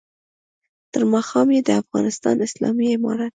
تېر ماښام یې د افغانستان اسلامي امارت